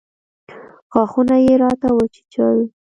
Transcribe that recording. غاښونه يې راته وچيچل.